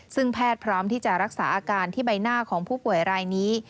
ซึ่งแพทย์พร้อมที่จะรักษาอาการที่ใบหน้าของผู้ป่วยรายนี้